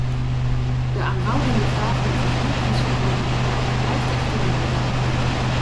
De aanhoudende vraag naar vervoerdiensten en mobiliteit blijft echter een uitdaging.